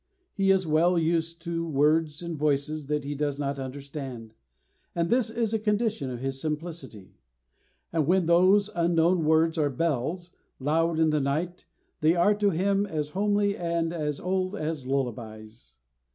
He is well used to words and voices that he does not understand, and this is a condition of his simplicity; and when those unknown words are bells, loud in the night, they are to him as homely and as old as lullabies.